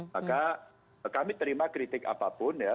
maka kami terima kritik apapun ya